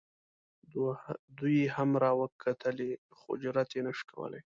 دوی هم را وکتلې خو جرات یې نه شو کولی.